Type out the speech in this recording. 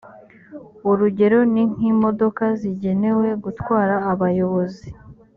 urugero ni nk imodoka zigenewe gutwara abayobozi